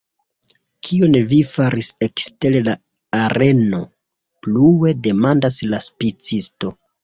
Kion vi faris ekster la areno? plue demandas la spicisto.